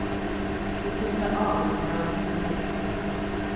She put her arms round his neck.